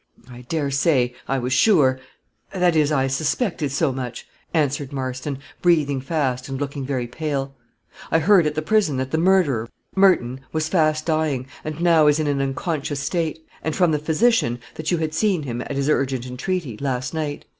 "I dare say I was sure that is, I suspected so much," answered Marston, breathing fast, and looking very pale. "I heard at the prison that the murderer, Merton, was fast dying, and now is in an unconscious state; and from the physician, that you had seen him, at his urgent entreaty, last night.